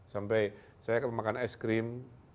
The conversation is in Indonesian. sampai saya makan es krim